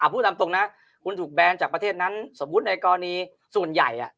พูดตามตรงนะคุณถูกแบนจากประเทศนั้นสมมุติในกรณีส่วนใหญ่